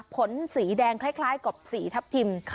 สีแดงคล้ายกับสีทับทิม